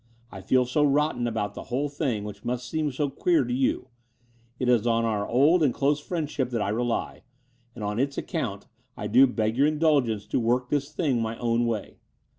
I feel so rotten about the whole thing, which must seem so queer to you. It is on our old and close friendship that I rely; and on its account I do beg your indulgence to work this thing my own way."